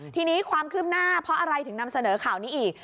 ทีนี้ความคืบหน้าเพราะอะไรถึงนำเสนอข่าวนี้อีก